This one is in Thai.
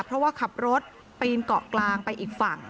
เพราะว่าขับรถปีนเกาะกลางไปอีกฝั่ง